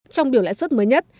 trong biểu lãi suất mới nhất